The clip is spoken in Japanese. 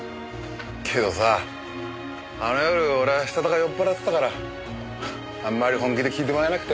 けどさあの夜俺はしたたか酔っ払ってたからあんまり本気で聞いてもらえなくて。